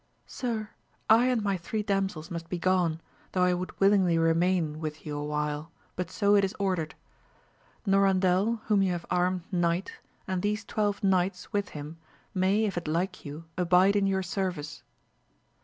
Sir, I and my three damsels must be gone, though I would willingly remain with you awhile, but so it is ordered. Norandel whom you have armed knight and these twelve knights with him may if it like you abide in your service.